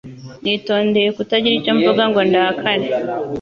Nitondeye kutagira icyo mvuga ngo ndakare